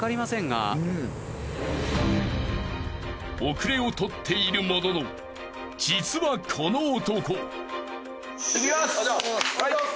［後れをとっているものの実はこの男］